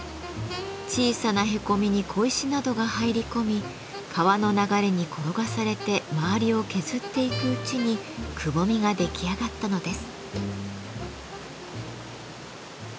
小さなへこみに小石などが入り込み川の流れに転がされて周りを削っていくうちにくぼみが出来上がったのです。